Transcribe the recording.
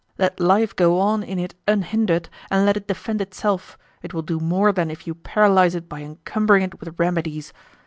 Let life go on in it unhindered and let it defend itself, it will do more than if you paralyze it by encumbering it with remedies.